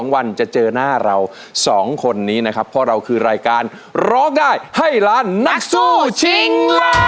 เพียงร้อง